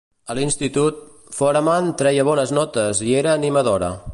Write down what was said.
A l'institut, Foreman treia bones notes i era animadora.